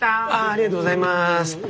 ありがとうございます。